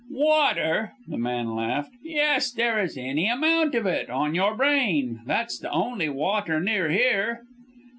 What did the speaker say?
"Water!" the man laughed, "yes, there is any amount of it on your brain, that's the only water near here."